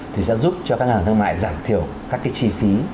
thì sẽ giúp cho các ngân hàng thương mại giảm thiểu các cái chi phí